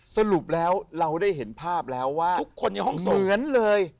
สรุปแล้วเราได้เห็นภาพแล้วว่าเหมือนเลย